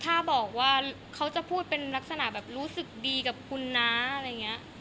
ถ้าบอกว่าเขาจะพูดเป็นลักษณะแบบรู้สึกดีกับคุณนะอะไรอย่างนี้